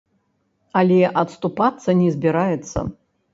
Але адступацца не збіраецца.